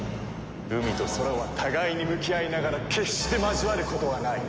海と空は互いに向き合いながら決して交わることはない。